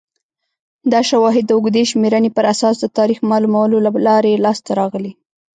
دا شواهد د اوږدې شمېرنې پر اساس د تاریخ معلومولو له لارې لاسته راغلي